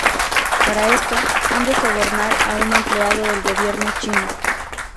Para esto, han de sobornar a un empleado del gobierno chino.